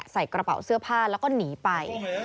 ใส่กระเป๋าเสื้อผ้าแล้วก็หนีไป